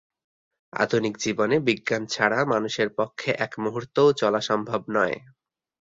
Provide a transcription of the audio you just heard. আধুনিক জীবনে বিজ্ঞান ছাড়া মানুষের পক্ষে এক মুহুর্তও চলা সম্ভব নয়।